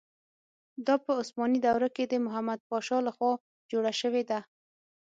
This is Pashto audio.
دا په عثماني دوره کې د محمد پاشا له خوا جوړه شوې ده.